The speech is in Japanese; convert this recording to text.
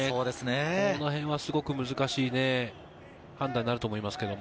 このへんは、すごく難しい判断になると思います。